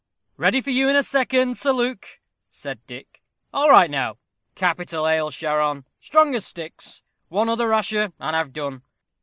"Ready for you in a second, Sir Luke," said Dick; "all right now capital ale, Charon strong as Styx ha, ha! one other rasher, and I've done.